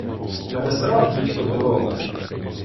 Пересрав дідько дорогу